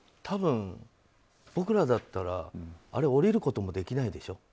多分、僕らだったらあれを降りることもできないでしょ？